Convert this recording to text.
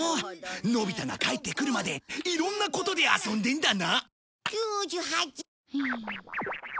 のび太が帰ってくるまでいろんなことで遊んでんだな